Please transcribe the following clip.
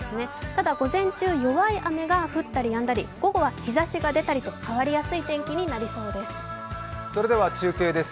ただ午前中、弱い雨が降ったりやんだり午後は日ざしが出たりと変わりやすい天気になりそうです。